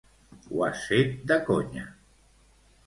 Ho has fet de conya.